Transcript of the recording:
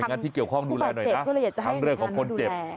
งานที่เกี่ยวข้องดูแลหน่อยนะทั้งเรื่องของคนเจ็บ